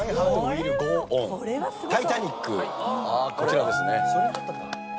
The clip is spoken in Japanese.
『タイタニック』こちらですね。